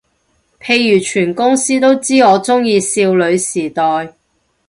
譬如全公司都知我鍾意少女時代